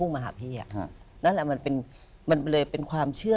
มันเลยเป็นความเชื่อ